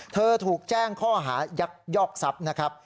ถูกแจ้งข้อหายักยอกทรัพย์นะครับ